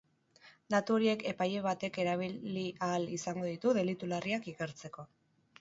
Datu horiek epaile batek erabili ahal izango ditu delitu larriak ikertzeko.